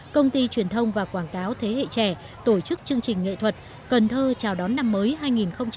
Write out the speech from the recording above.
công ty truyền thông và quảng cáo thế hệ trẻ tổ chức chương trình nghệ thuật cần thơ chào đón năm mới hai nghìn hai mươi